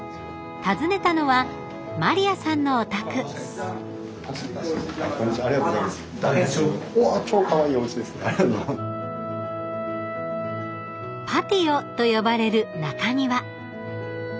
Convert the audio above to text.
訪ねたのはマリアさんのお宅パティオと呼ばれる中庭。